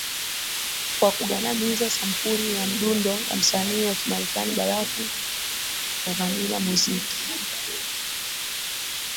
kwa kugandamizia sampuli ya mdundo ya msanii wa Kimarekani barafu ya vanilla muziki